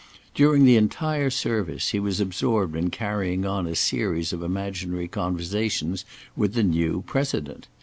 During the entire service he was absorbed in carrying on a series of imaginary conversations with the new President.